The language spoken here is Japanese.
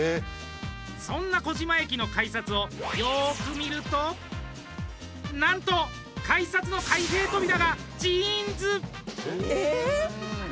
そんな児島駅の改札をよく見るとなんと改札の開閉扉がジーンズ。